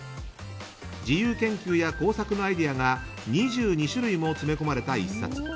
自由研究や工作のアイデアが２２種類も詰め込まれた一冊。